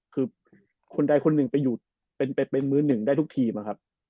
คือคนใดคนหนึ่งไปอยู่เป็นมือหนึ่งได้ทุกทีมนะครับ